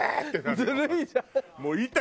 ずるいじゃん。